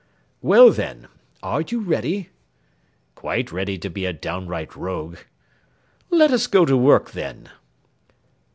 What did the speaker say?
"Well, then, are you ready?" "Quite ready to be a downright rogue." "Let us go to work, then."